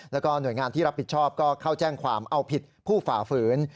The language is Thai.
แล้วก็หน่วยงานที่รับผิดชอบก็เข้าแจ้งความเอาผิดผู้ฝ่าฝืน